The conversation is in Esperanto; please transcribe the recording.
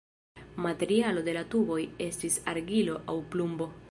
Materialo de la tuboj estis argilo aŭ plumbo.